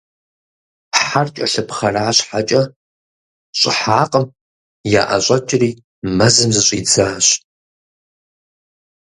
Хьэр кӏэлъыпхъэра щхьэкӏэ, щӏыхьакъым - яӏэщӏэкӏри, мэзым зыщӏидзащ.